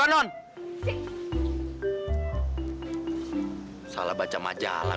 ini buat kamu aja